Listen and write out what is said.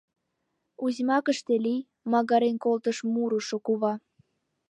— Узьмакыште лий! — магырен колтыш мурышо кува.